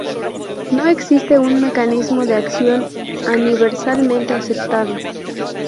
No existe un mecanismo de acción universalmente aceptado.